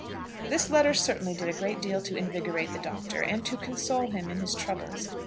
This letter certainly did a great deal to invigorate the Doctor, and to console him in his troubles.